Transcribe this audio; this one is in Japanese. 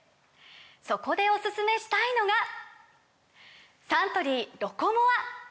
そこでおすすめしたいのがサントリー「ロコモア」！